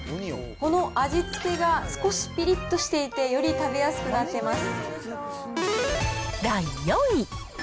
この味付けが少しぴりっとしていて、より食べやすくなってます。